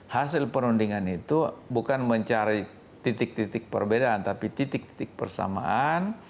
hasil perundingan itu bukan mencari titik titik perbedaan tapi titik titik persamaan